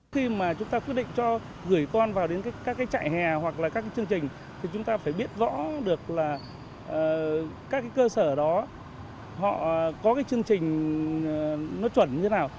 khi mà chúng ta quyết định cho gửi con vào đến các cái chạy hè hoặc là các cái chương trình thì chúng ta phải biết rõ được là các cái cơ sở đó họ có cái chương trình nó chuẩn như thế nào